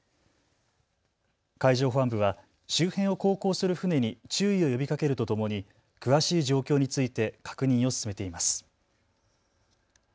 海上保安部は周辺を航行する船に注意を呼びかけるとともに詳しい状況について確認を進めています。